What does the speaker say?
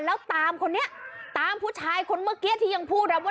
แล้วตามคนนี้ตามผู้ชายคนเมื่อกี้ที่ยังพูดรับว่า